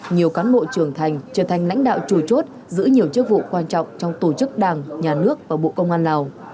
nhiều cán bộ trưởng thành trở thành lãnh đạo chủ chốt giữ nhiều chức vụ quan trọng trong tổ chức đảng nhà nước và bộ công an lào